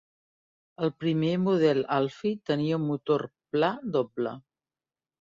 El primer model Alfi tenia un motor pla doble.